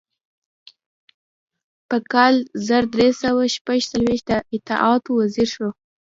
په کال زر درې سوه شپږ څلویښت د اطلاعاتو وزیر شو.